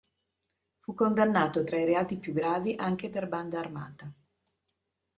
Fu condannato, tra i reati più gravi, anche per "banda armata".